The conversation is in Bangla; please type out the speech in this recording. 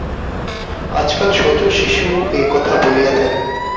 আজকাল ছোট শিশুও এ-কথা বলিয়া থাকে।